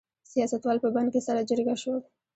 سیاستوال په بن کې سره جرګه شول.